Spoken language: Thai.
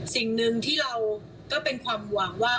สิ่งหนึ่งที่เราก็เป็นความหวังว่า